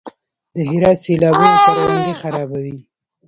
د هرات سیلابونه کروندې خرابوي؟